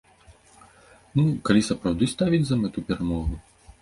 Ну, калі сапраўды ставіць за мэту перамогу?